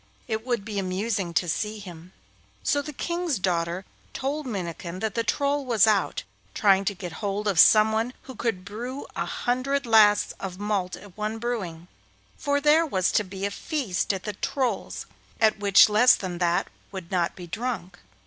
It would be amusing to see him.' So the King's daughter told Minnikin that the Troll was out trying to get hold of someone who could brew a hundred lasts of malt at one brewing, for there was to be a feast at the Troll's, at which less than that would not be drunk.